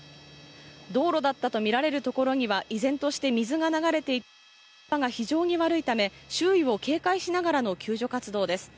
道路だったとみられるところには依然として水が流れていて、足場が非常に悪いため周囲を警戒しながらの救助活動です。